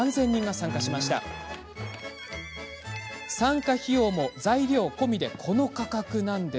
参加費用も材料込みでこの価格。